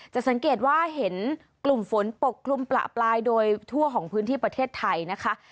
สังเกตว่าเห็นกลุ่มฝนปกคลุมประปรายโดยทั่วของพื้นที่ประเทศไทยนะคะ